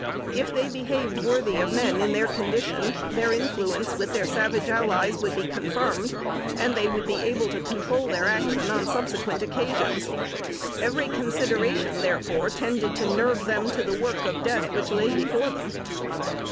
If they behaved worthy of men in their condition, their influence with their savage allies would be confirmed, and they would be able to control their action on subsequent occasions. Every consideration, therefore, tended to nerve them to the work of death which lay before them.